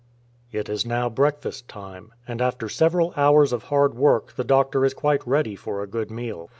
It is now breakfast time, and after several hours of hard work the doctor is quite ready for a good meal.